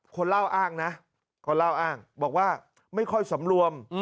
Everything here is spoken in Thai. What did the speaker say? คนเล่าอ้างนะก็เล่าอ้างบอกว่าไม่ค่อยสำรวม